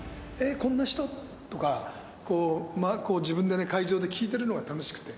こんな人？とか、自分で会場で聞いてるのが楽しくて。